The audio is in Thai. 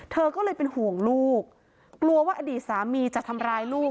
เธอก็เลยเป็นห่วงลูกกลัวว่าอดีตสามีจะทำร้ายลูก